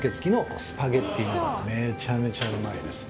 めちゃめちゃうまいです。